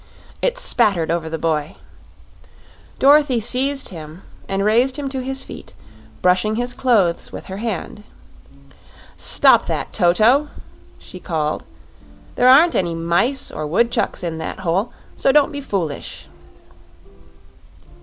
It spattered over the boy. Dorothy seized him and raised him to his feet, brushing his clothes with her hand. "Stop that, Toto!" she called. "There aren't any mice or woodchucks in that hole, so don't be foolish."